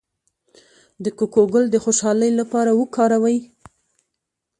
د کوکو ګل د خوشحالۍ لپاره وکاروئ